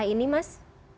pemerintah ini mas